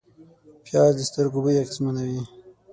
پیاز د سترګو بوی اغېزمنوي